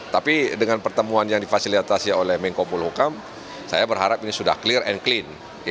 tapi dengan pertemuan yang difasilitasi oleh menko polhukam saya berharap ini sudah clear and clean